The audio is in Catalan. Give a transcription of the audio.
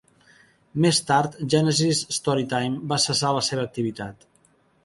Més tard, Genesis Storytime va cessar la seva activitat.